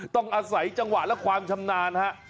ต้องอาศัยจังหวะและความชำนาญฮะ